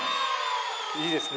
いいですね。